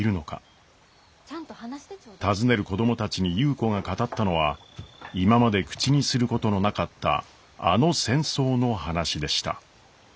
尋ねる子供たちに優子が語ったのは今まで口にすることのなかったあの戦争の話でした。